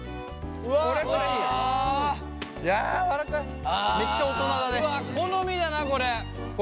うわ好みだなこれ。